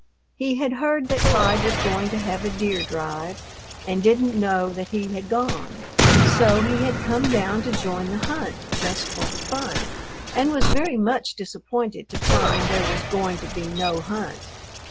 He had heard that Clyde was going to have a deer drive, and didn't know that he had gone, so he had come down to join the hunt just for the fun, and was very much disappointed to find there was going to be no hunt.